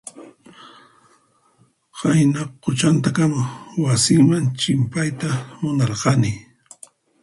Qayna quchantakama wasinman chimpayta munarqani.